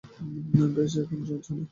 বেশ, ও এখন জানে।